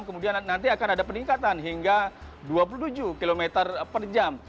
kemudian nanti akan ada peningkatan hingga dua puluh tujuh km per jam